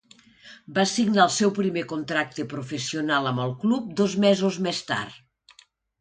Va signar el seu primer contracte professional amb el club dos mesos més tard.